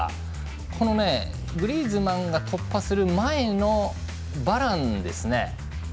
このグリーズマンが突破する前のバランですね。